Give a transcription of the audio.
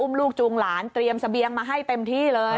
ลูกจูงหลานเตรียมเสบียงมาให้เต็มที่เลย